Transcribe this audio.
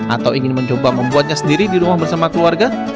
atau ingin mencoba membuatnya sendiri di rumah bersama keluarga